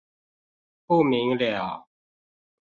不明瞭